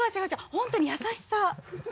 本当に優しさ。